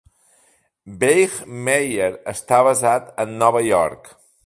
Veihmeyer està basat en Nova York.